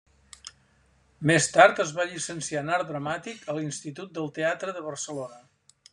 Més tard, es va llicenciar en art dramàtic a l'Institut del Teatre de Barcelona.